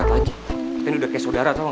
ya itu juga sih man